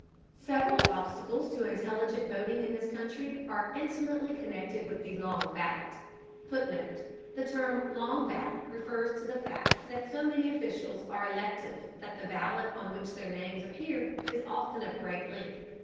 Several obstacles to intelligent voting in this country are intimately connected with the long ballot. [Footnote: The term "long ballot" refers to the fact that so many officials are elective that the ballot on which their names appear is often of great length.